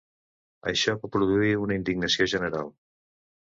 Això va produir una indignació general.